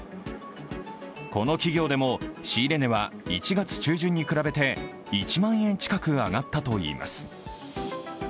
この企業でも仕入れ値は１月中旬に比べて１万円近く上がったといいます。